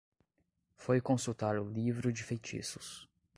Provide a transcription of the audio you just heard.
Foi consultar o livro de feitiços